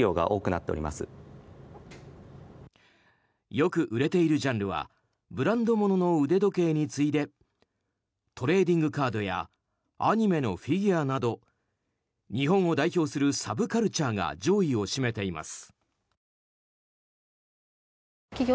よく売れているジャンルはブランド物の腕時計に次いでトレーディングカードやアニメのフィギュアなど日本を代表するサブカルチャーが上位を占めています。